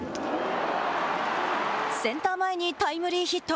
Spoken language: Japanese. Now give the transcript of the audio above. センター前にタイムリーヒット。